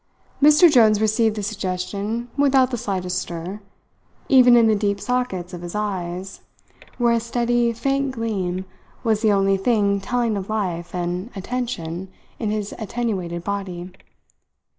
Mr. Jones received the suggestion without the slightest stir, even in the deep sockets of his eyes, where a steady, faint gleam was the only thing telling of life and attention in his attenuated body.